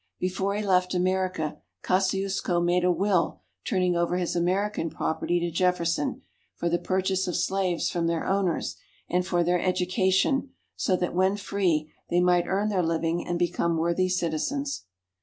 Before he left America, Kosciuszko made a will turning over his American property to Jefferson, for the purchase of slaves from their owners and for their education, so that when free, they might earn their living and become worthy citizens.